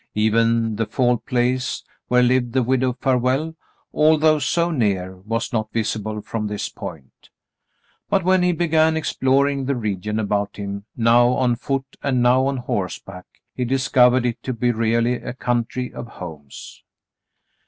Even the Fall Place, where lived the Widow Farwell, although so near, was not visible from this point ; but when he began exploring the region about him, now on foot and now on horseback, he discovered it to be really a country of homes.